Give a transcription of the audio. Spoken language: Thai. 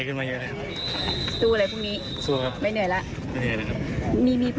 พอผ่านหัวทุกนายครับ